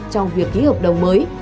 trong việc ký hợp đồng mới